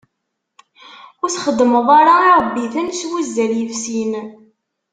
Ur txeddmeḍ ara iṛebbiten s wuzzal yefsin.